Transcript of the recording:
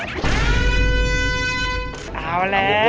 เอาแล้ว